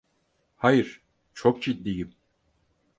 Hayır, çok ciddiyim.